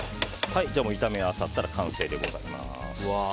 炒め合わさったら完成でございます。